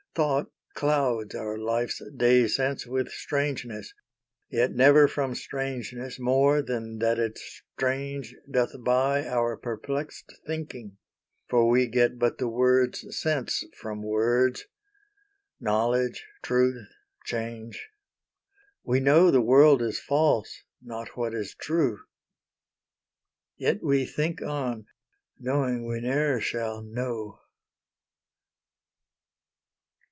Thought clouds our life's day sense with strangeness, yet Never from strangeness more than that it's strange Doth buy our perplexed thinking, for we get But the words' sense from words—knowledge, truth, change. We know the world is false, not what is true. Yet we think on, knowing we ne'er shall know.